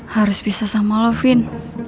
harus pisah sama lo fin